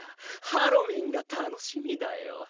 ハロウィーンが楽しみだよ